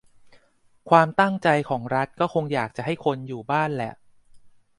ความตั้งใจของรัฐก็คงอยากจะให้คนอยู่บ้านแหละ